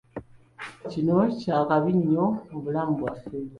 Kino kya kabi nnyo mu bulamu bwaffe!